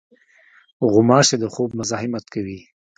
غوماشې د خوب مزاحمت کوي.